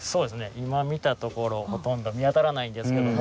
今見たところほとんど見当たらないんですけども。